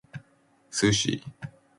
sushi